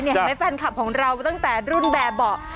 ให้แฟนคลับของเราตั้งแต่รุ่นแบบบ่ะ